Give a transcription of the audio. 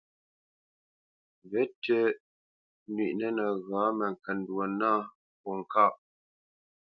Və̌tʉ́ nywíʼnə nəghǎ məŋkəndwo nâ fwo ŋkâʼ.